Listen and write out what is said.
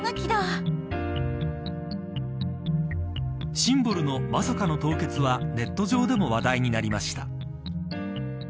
シンボルのまさかの凍結はネット上でも話題になりました。